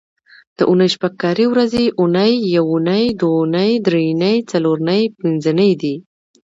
د اونۍ شپږ کاري ورځې اونۍ، یونۍ، دونۍ، درېنۍ، څلورنۍ، پینځنۍ دي